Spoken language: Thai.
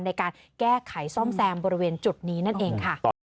ในการแก้ไขซ่อมแซมบริเวณจุดนี้นั่นเองค่ะ